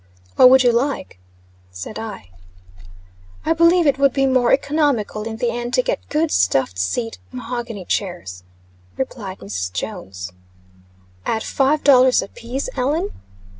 "What would you like?" said I. "I believe it would be more economical in the end to get good stuffed seat, mahogany chairs," replied Mrs. Jones. "At five dollars a piece, Ellen?"